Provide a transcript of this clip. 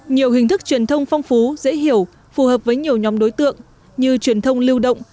nhiều hình thức truyền thông phong phú dễ hiểu phù hợp với nhiều nhóm đối tượng như truyền thông lưu động